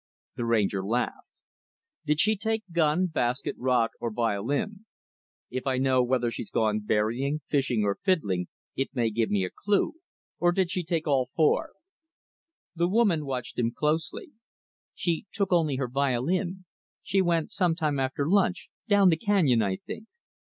The Ranger laughed. "Did she take gun, basket, rod or violin? If I know whether she's gone shooting berrying, fishing or fiddling, it may give me a clue or did she take all four?" The woman watched him closely. "She took only her violin. She went sometime after lunch down the canyon, I think.